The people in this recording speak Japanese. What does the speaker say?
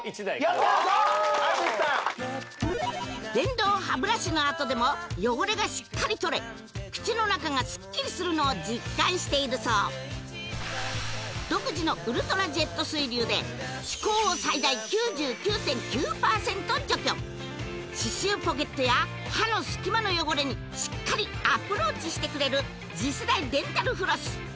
やった電動歯ブラシのあとでも汚れがしっかりとれ口の中がスッキリするのを実感しているそう歯垢を最大９９．９％除去歯周ポケットや歯の隙間の汚れにしっかりアプローチしてくれる次世代デンタルフロス